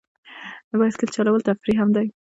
بایسکل چلول تفریح هم دی.